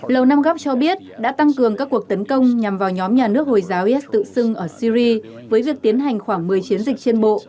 lầu năm góc cho biết đã tăng cường các cuộc tấn công nhằm vào nhóm nhà nước hồi giáo is tự xưng ở syri với việc tiến hành khoảng một mươi chiến dịch trên bộ